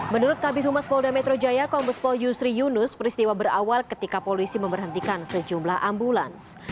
menurut kabupaten humas polda metro jaya kombespol yusri yunus peristiwa berawal ketika polisi memberhentikan sejumlah ambulans